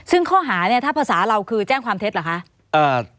ซึ่งข้อหาเนี่ยถ้าภาษาเราคือแจ้งความเท็จเหรอคะ